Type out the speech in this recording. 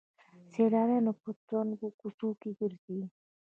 سیلانیان په تنګو کوڅو کې ګرځي.